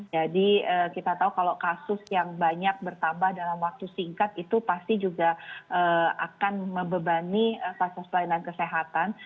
jadi kita tahu kalau kasus yang banyak bertambah dalam waktu singkat itu pasti juga akan mebebani kasus pelayanan kesehatan